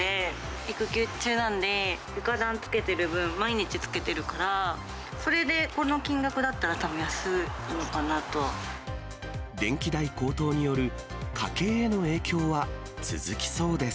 育休中なんで、床暖つけてる分、毎日つけてるから、それでこの金額だったら、電気代高騰による家計への影響は続きそうです。